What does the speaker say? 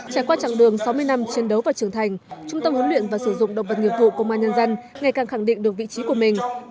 trải qua chặng đường sáu mươi năm chiến đấu và trưởng thành trung tâm huấn luyện và sử dụng động vật nghiệp vụ công an nhân dân ngày càng khẳng định được vị trí của mình